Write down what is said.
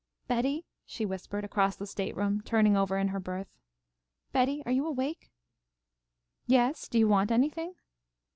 "Betty," she whispered, across the stateroom, turning over in her berth. "Betty, are you awake?" "Yes. Do you want anything?"